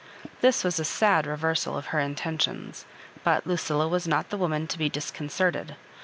This was a sad reversal of her intentions, but Luciila was not the woman to be disconcerted.